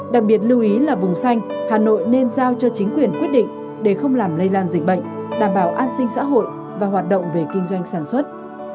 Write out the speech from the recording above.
đặc biệt lưu ý là vùng xanh hà nội nên giao cho chính quyền quyết định để không làm lây lan dịch bệnh đảm bảo an sinh xã hội và hoạt động về kinh doanh sản xuất